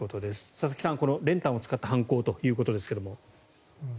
佐々木さん、この練炭を使った犯行ということですが。